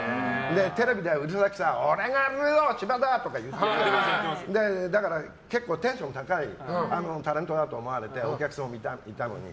テレビでは、俺がルー大柴だ！とか言ってるからだから、結構テンションが高いタレントだと思われてお客さんもいたのに。